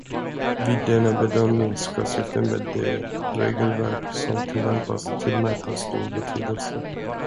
Vid denna bedömning ska syftet med det regelverk som tillämpas tillmätas stor betydelse.